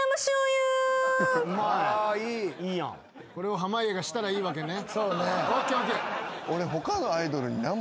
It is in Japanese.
これを濱家がしたらいいわけね。